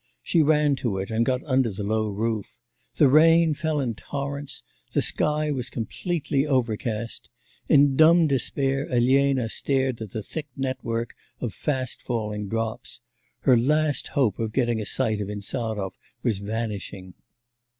She ran to it and got under the low roof. The rain fell in torrents; the sky was completely overcast. In dumb despair Elena stared at the thick network of fast falling drops. Her last hope of getting a sight of Insarov was vanishing.